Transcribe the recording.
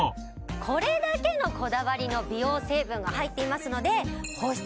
これだけのこだわりの美容成分が入っていますので保湿